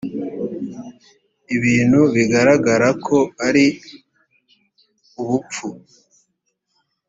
ibintu bigaragara ko ari ubupfu